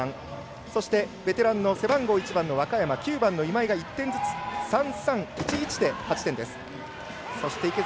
そして、ベテランの背番号１番の若山９番の今井が１点ずつ３、３、１、１で８点です。